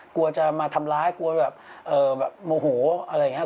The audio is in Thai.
กลัวจะมาทำร้ายกลัวแบบโมโหอะไรอย่างนี้